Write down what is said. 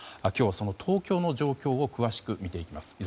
今日は、その東京の状況を詳しく見ていきます。